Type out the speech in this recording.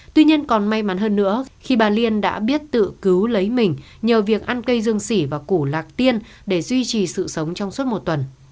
tuy nhiên còn may mắn hơn nữa khi bà liên đã biết tự cứu lấy mình nhờ việc ăn cây dương sỉ và củ lạc tiên để duy trì sự sống trong suốt một tuần